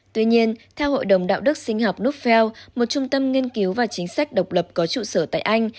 tuy nhiên theo hội đồng đạo đức sinh học nuofell một trung tâm nghiên cứu và chính sách độc lập có trụ sở tại anh